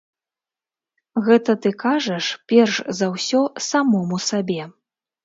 Гэта ты кажаш перш за ўсё самому сабе.